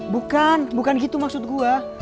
bukan bukan gitu maksud gua